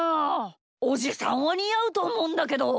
おじさんはにあうとおもうんだけど。